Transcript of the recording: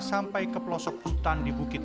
sampai ke pelosok hutan di bukit dua belas